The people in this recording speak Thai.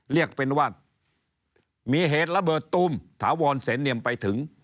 เรียกเป็นว่ามีเหตุระเบิดตูมถาวรเสนเนียมไปถึง